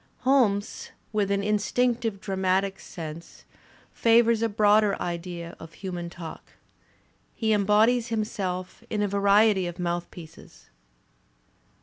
Holmes, with an instinctive dra matic sense, favours a broader idea of human talk. He embodies himself in a variety of mouthpieces.